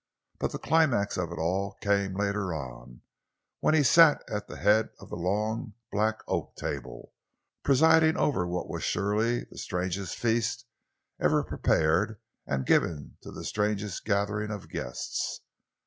But the climax of it all came later on, when he sat at the head of the long, black oak table, presiding over what was surely the strangest feast ever prepared and given to the strangest gathering of guests.